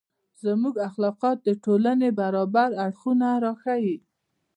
• زموږ اخلاقیات د ټولنې برابر اړخونه راوښيي.